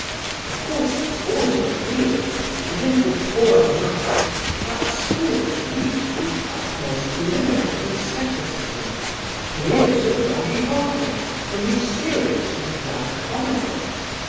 Of course it's all an ideal, and in the 'poor knight' that spirit reached the utmost limit of asceticism. He is a Don Quixote, only serious and not comical.